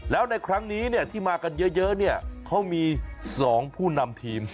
แล้วในครั้งนี้เนี่ยที่มากันเยอะเขามีสองผู้นำทีม